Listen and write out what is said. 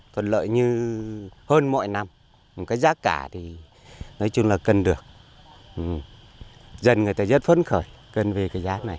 thuận lợi như hơn mọi năm cái giá cả thì nói chung là cần được dân người ta rất phấn khởi cần về cái giá này